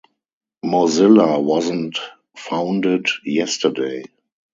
Mozilla wasn't founded yesterday.